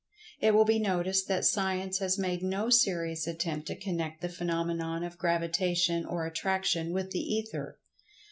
It will be noticed that Science has made no serious attempt to connect the phenomenon of Gravitation or Attraction with the Ether.